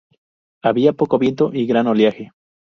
Había poco viento y un gran oleaje.